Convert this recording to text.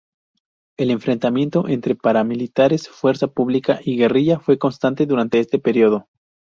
El enfrentamiento entre paramilitares, fuerza pública y guerrilla fue constante durante este periodo.